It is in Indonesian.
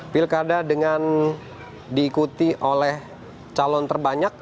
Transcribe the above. pilkada dengan diikuti oleh calon terbanyak